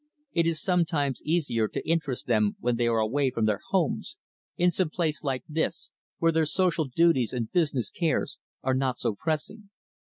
It is sometimes easier to interest them when they are away from their homes in some place like this where their social duties and business cares are not so pressing."